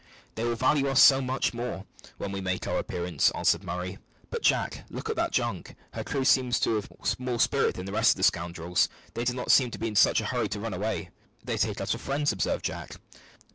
"They will value us so much the more when we make our appearance," answered Murray. "But, Jack, look at that junk! Her crew seem to have more spirit than the rest of the scoundrels. They do not seem to be in such a hurry to run away." "They take us for friends," observed Jack.